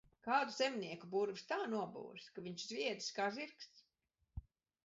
Kādu zemnieku burvis tā nobūris, ka viņš zviedzis kā zirgs.